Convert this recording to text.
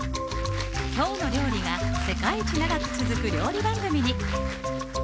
「きょうの料理」が世界一長く続く料理番組に。